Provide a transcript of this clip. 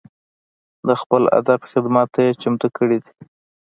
د خپل ادب خدمت ته یې چمتو کړي دي.